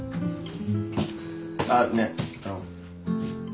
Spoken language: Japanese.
あっねえあの。